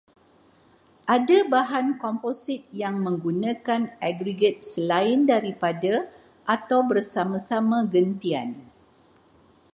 Ada bahan komposit yang menggunakan aggregrat selain daripada, atau bersama-sama gentian